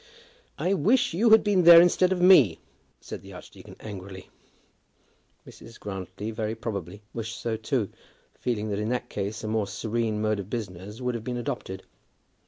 "I wish you had been there instead of me," said the archdeacon, angrily. Mrs. Grantly very probably wished so also, feeling that in that case a more serene mode of business would have been adopted.